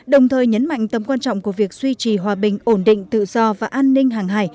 đồng thời nhấn mạnh tầm quan trọng của việc duy trì hòa bình ổn định tự do và an ninh hàng hải